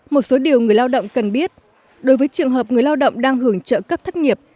một số điều người lao động cần biết đối với trường hợp người lao động đang hưởng trợ cấp thất nghiệp